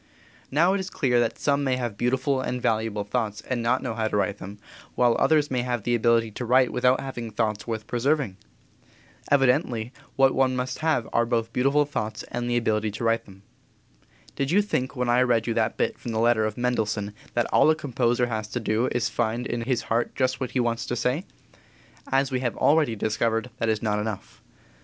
Now it is clear that some may have beautiful and valuable thoughts and not know how to write them, while others may have the ability to write without having thoughts worth preserving. Evidently what one must have are both beautiful thoughts and ability to write them. Did you think when I read you that bit from the letter of Mendelssohn that all a composer has to do is to find in his heart just what he wants to say? As we have already discovered, that is not enough.